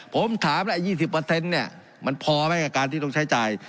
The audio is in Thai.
ผมถามแล้ว๒๐เนี่ยมันพอไหมกับการที่ต้องใช้จ่าย